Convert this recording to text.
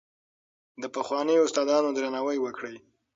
د پخوانیو استادانو درناوی وکړئ.